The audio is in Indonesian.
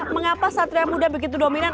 mengapa satria muda begitu dominan